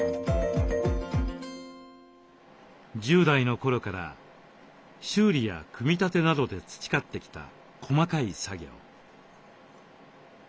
１０代の頃から修理や組み立てなどで培ってきた細かい作業。